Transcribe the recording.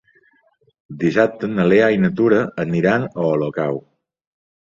Dissabte na Lea i na Tura aniran a Olocau.